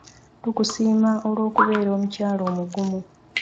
Tukusiima olw'okubeera omukyala omugumu.